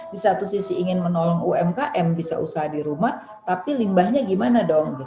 di satu sisi ingin menolong umkm bisa usaha di rumah tapi limbahnya gimana dong